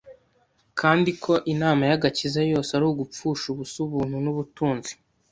kandi ko inama y'agakiza yose ari ugupfusha ubusa ubuntu n'ubutunzi.